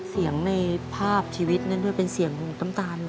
เสียงในภาพชีวิตนั่นด้วยเป็นเสียงลูกต้ำตาลเหรอ